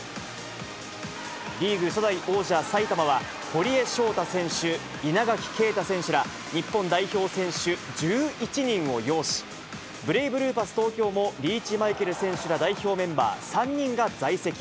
リーグ初代王者、埼玉は、堀江翔太選手、稲垣啓太選手ら、日本代表選手１１人を擁し、ブレイブルーパス東京もリーチマイケル選手ら代表メンバー３人が在籍。